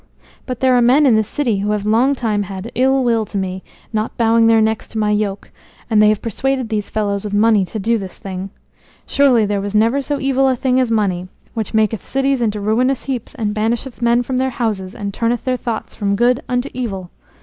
But there are men in this city who have long time had ill will to me, not bowing their necks to my yoke; and they have persuaded these fellows with money to do this thing. Surely there never was so evil a thing as money, which maketh cities into ruinous heaps and banisheth men from their houses and turneth their thoughts from good unto evil.